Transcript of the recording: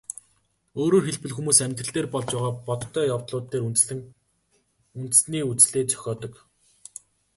Өөрөөр хэлбэл, хүмүүс амьдрал дээр болж байгаа бодтой явдлууд дээр үндэслэн үндэсний үзлээ зохиодог.